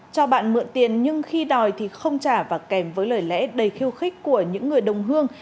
cho bạn mượn tiền nhưng khi đòi thì không trả và kèm với lời lẽ đầy khiêu khích của những người đồng hương